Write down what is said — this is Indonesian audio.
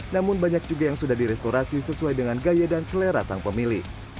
namun banyak juga yang sudah direstorasi sesuai dengan gaya dan selera sang pemilih